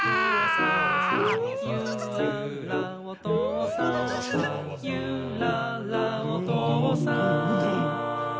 「ゆららおとうさん」「ゆららおとうさん」